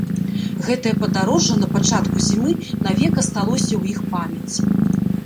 Гэтае падарожжа на пачатку зімы навек асталося ў іх памяці.